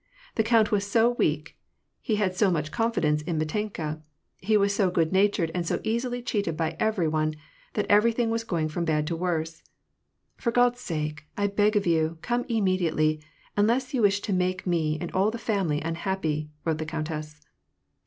The count was so weak, he had such confidence in Mitenka, he was so good natured and so easily cheated by every one, that everything was going from bad to worse. '^ For Ood's sake, I beg of you, come im mediately, unless you wish to make me and all the family unhappy," wrote the countess.